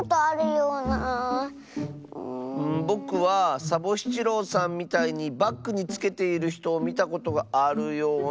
ぼくはサボしちろうさんみたいにバッグにつけているひとをみたことがあるような。